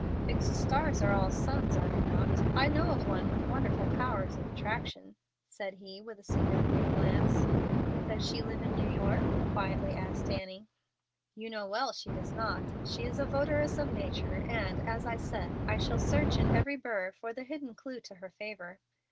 "Fixed stars are all suns, are they not? I know of one with wonderful powers of attraction," said he, with a significant glance. "Does she live in New York?" quietly asked Annie. "You know well she does not. She is a votaress of nature, and, as I said, I shall search in every burr for the hidden clew to her favor."